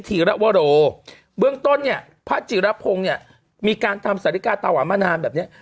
ธีระวโรเบื้องต้นเนี่ยพระจิรพงศ์เนี่ยมีการทำสาธิกาตาหวานมานานแบบเนี้ย